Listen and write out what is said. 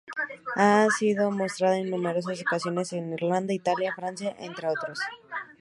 Ha sido mostrada en numerosas ocasiones en Irlanda, Italia y Francia, entre otros.